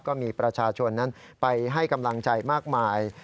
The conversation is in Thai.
ก็มีประชาชนนั้นไปให้กำลังใจมากมาย